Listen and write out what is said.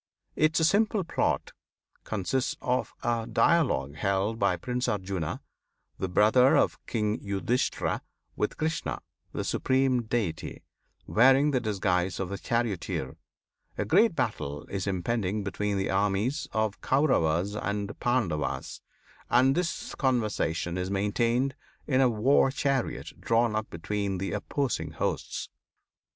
Its simple plot consists of a dialogue held by Prince Arjuna, the brother of King Yudhisthira, with Krishna, the Supreme Deity, wearing the disguise of a charioteer. A great battle is impending between the armies of the Kauravas and Pandavas, and this conversation is maintained in a war chariot drawn up between the opposing hosts.